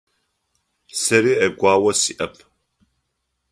Сэри ӏэгуао сиӏэп.